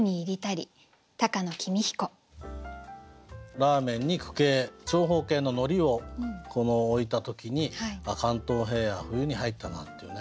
ラーメンに矩形長方形の海苔を置いた時に「関東平野は冬に入ったな」っていうね